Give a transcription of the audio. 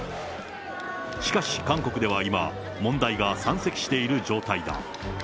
しかし、韓国では今、問題が山積している状態だ。